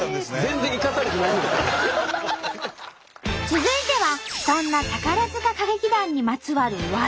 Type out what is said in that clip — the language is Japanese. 続いてはそんな宝塚歌劇団にまつわる「技」！